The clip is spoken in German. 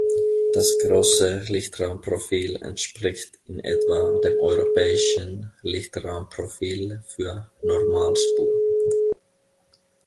Das große Lichtraumprofil entspricht in etwa dem europäischen Lichtraumprofil für Normalspur.